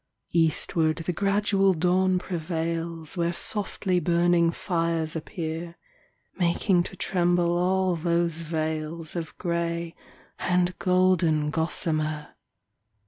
Eastward the gradual dawn prevails Where softly burning fires appear, Making to tremble all those veils. Of grey and golden gossamer.